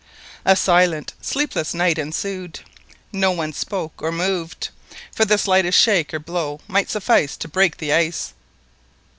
A silent sleepless night ensued. No one spoke or moved, for the slightest shake or blow might suffice to break the ice.